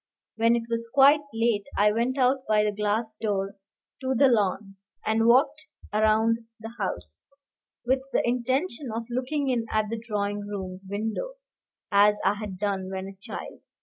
When it was quite late, I went out by the glass door to the lawn, and walked round the house, with the intention of looking in at the drawing room windows, as I had done when a child.